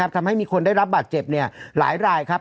ทำให้มีคนได้รับบาดเจ็บ